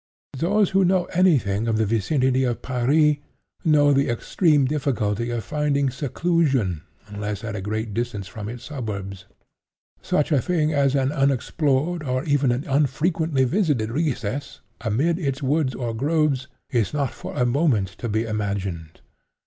Those who know any thing of the vicinity of Paris, know the extreme difficulty of finding seclusion unless at a great distance from its suburbs. Such a thing as an unexplored, or even an unfrequently visited recess, amid its woods or groves, is not for a moment to be imagined.